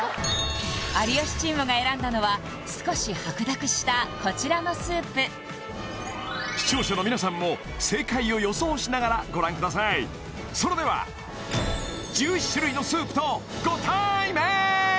有吉チームが選んだのは少し白濁したこちらのスープ視聴者の皆さんもそれでは１１種類のスープとご対面！